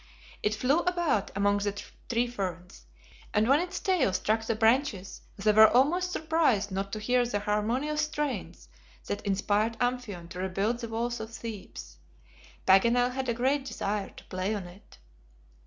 It flew about among the tree ferns, and when its tail struck the branches, they were almost surprised not to hear the harmonious strains that inspired Amphion to rebuild the walls of Thebes. Paganel had a great desire to play on it.